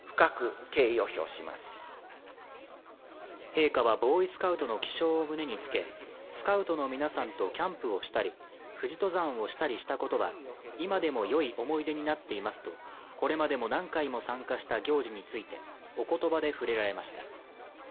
陛下はボーイスカウトの記章を胸につけスカウトの皆さんとキャンプをしたり、富士登山をしたりしたことは今でもよい思い出になっていますとこれまでも何回も参加した行事についておことばで触れられました。